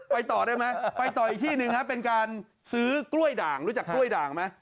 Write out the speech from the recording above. ไปต่ออีกที่หนึ่งเป็นการซื้อกล้วยด่างรู้จักกล้วยด่างมั้ย